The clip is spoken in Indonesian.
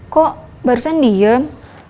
kok barusan diem